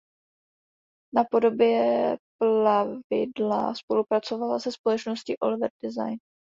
Na podobě plavidla spolupracovala se společností Oliver Design.